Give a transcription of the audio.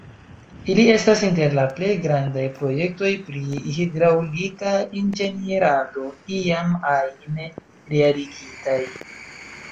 Ili estas inter la plej grandaj projektoj pri hidraŭlika inĝenierado iam ajn realigitaj.